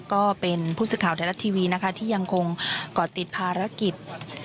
ก็เป็นผู้สึกข่าวไทยรัตน์ทีวีที่ยังคงก่อติดภารกิจ